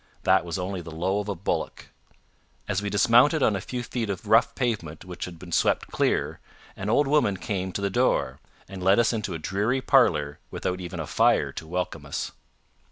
That was only the low of a bullock. As we dismounted on a few feet of rough pavement which had been swept clear, an old woman came to the door, and led us into a dreary parlour without even a fire to welcome us.